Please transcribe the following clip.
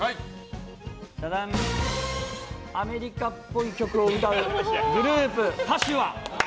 アメリカっぽい曲を歌うグループ・歌手は？